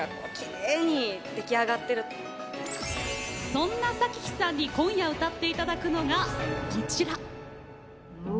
そんな咲妃さんに今夜歌っていただくのがこちら。